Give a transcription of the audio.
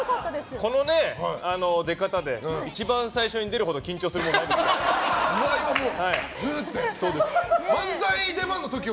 この出方で一番最初に出るほど緊張するものはないですよ。